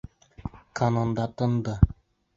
Канонада тынды.